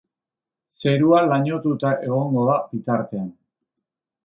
Zerua lainotuta egongo da bitartean.